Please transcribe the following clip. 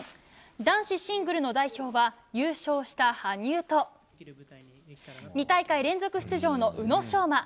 男子シングルの代表は優勝した羽生と２大会連続出場の宇野昌磨